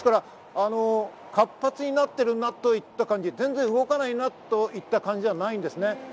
活発になっているなといった感じ、全然動かないなといった感じではないんですね。